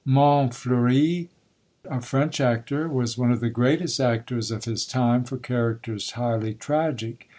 Montfleury, a French player, was one of the greatest actors of his time for characters highly tragic.